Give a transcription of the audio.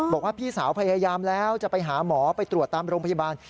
บอกว่าพี่สาวพยายามแล้วจะไปหาหมอไปตรวจตามโรงพยาบาล